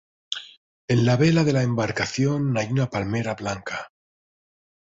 En la vela de la embarcación, hay una palmera blanca.